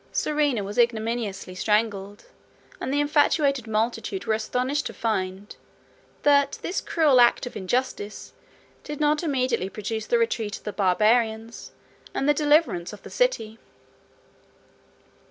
Serena was ignominiously strangled; and the infatuated multitude were astonished to find, that this cruel act of injustice did not immediately produce the retreat of the Barbarians, and the deliverance of the city.